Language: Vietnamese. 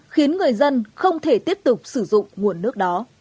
khiến người dân không thể tiếp tục sử dụng nguồn nước đó